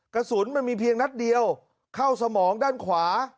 กระสุนมันมีเพียงนัดเดียวเข้าสมองด้านขวา